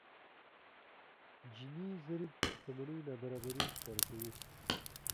جيني ضريب شتمنۍ نابرابري ښکاره کوي.